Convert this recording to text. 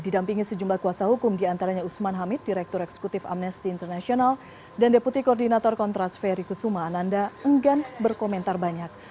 didampingi sejumlah kuasa hukum diantaranya usman hamid direktur eksekutif amnesty international dan deputi koordinator kontras ferry kusuma ananda enggan berkomentar banyak